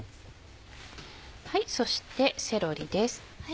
そしてセロリです。